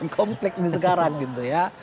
konflik ini sekarang gitu ya